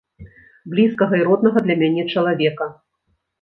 Блізкага і роднага для мяне чалавека.